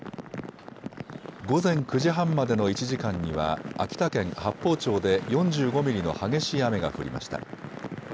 午前９時半までの１時間には秋田県八峰町で４５ミリの激しい雨が降りました。